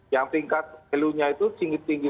yang tingkat value nya itu tinggi tinggi